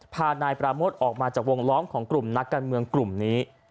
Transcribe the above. พานายปราโมทออกมาจากวงล้อมของกลุ่มนักการเมืองกลุ่มนี้